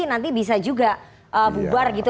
nanti bisa juga bubar gitu